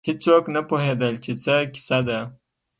هېڅوک نه پوهېدل چې څه کیسه ده.